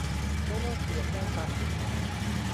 ใช้แลกเปลี่ยนได้ตามกฎหมาย